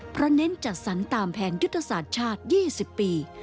เพราะเน้นจัดสรรตามแผนยุทธศาสตร์ชาติ๒๐ปี